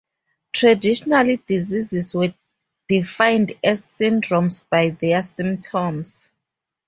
Traditionally diseases were defined as syndromes by their symptoms.